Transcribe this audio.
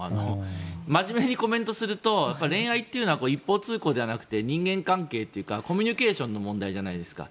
真面目にコメントすると恋愛というのは一方通行ではなくて人間関係というかコミュニケーションの問題じゃないですか。